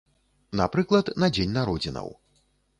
Напрыклад, на дзень народзінаў.